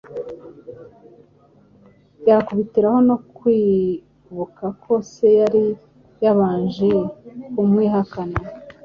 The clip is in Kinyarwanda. Byakubitiraho no kwibuka ko se yari yabanje kumwihakana,